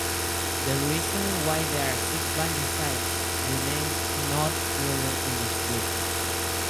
The reason why there are six binding sites remains not fully understood.